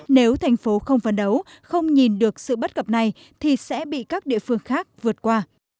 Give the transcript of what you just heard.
nếu thành phố không phấn đấu không nhìn được sự bất cập này thì sẽ bị các địa phương khác vượt qua